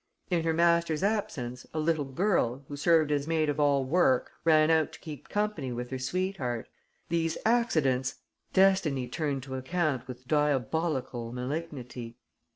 In her master's absence, a little girl who served as maid of all work ran out to keep company with her sweetheart. These accidents destiny turned to account with diabolical malignity.